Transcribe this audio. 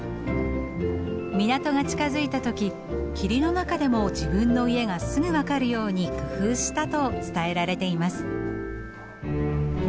港が近づいた時霧の中でも自分の家がすぐ分かるように工夫したと伝えられています。